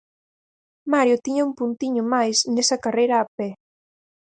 Mario tiña un puntiño máis nesa carreira a pé.